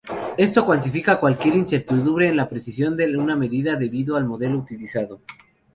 Esto cuantifica cualquier incertidumbre en la precisión de una medida debido al modelo utilizado.